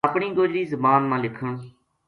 اپنی گوجری زبان ما لکھن